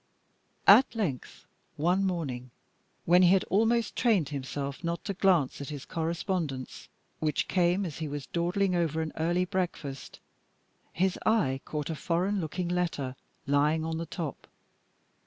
At length one morning, when he had almost trained himself not to glance at his correspondence, which came as he was dawdling over an early breakfast, his eye caught a foreign looking letter lying on the top.